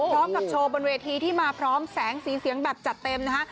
โชว์บนเวทีที่มาพร้อมแสงสีเสียงแบบจัดเต็มนะคะ